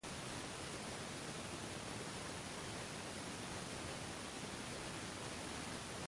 Many of the contributors were wives of government officials or aristocrats.